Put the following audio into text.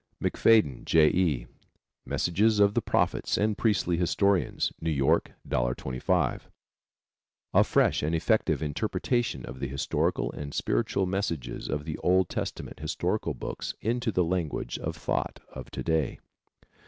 McFadyen, J. E., Messages of the Prophets and Priestly Historians. New York, $1,25. A fresh and effective interpretation of the historical and spiritual messages of the Old Testament historical books into the language and thought of to day.